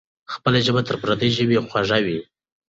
خپله ژبه تر پردۍ ژبې خوږه وي.